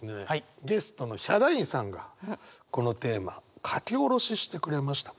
ゲストのヒャダインさんがこのテーマ書き下ろししてくれました。